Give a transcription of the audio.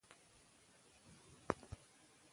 لوی نومونه هم حقيقت نه تسليموي.